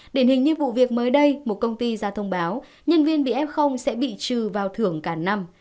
điển hình như vụ việc mới đây một công ty ra thông báo nhân viên bị f sẽ bị trừ vào thưởng cả năm